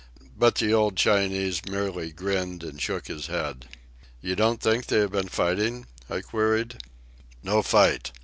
But the old Chinese merely grinned and shook his head. "You don't think they have been fighting?" I queried. "No fight.